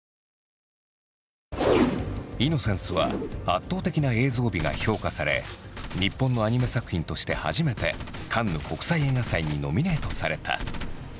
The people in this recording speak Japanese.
「イノセンス」は圧倒的な映像美が評価され日本のアニメ作品として初めてカンヌ国際映画祭にノミネートされた。